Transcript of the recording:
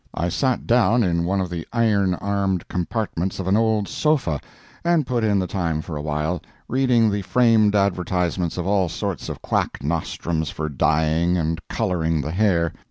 I sat down in one of the iron armed compartments of an old sofa, and put in the time for a while, reading the framed advertisements of all sorts of quack nostrums for dyeing and coloring the hair.